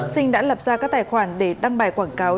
sinh đã lập ra các tài khoản để đăng bài quảng cáo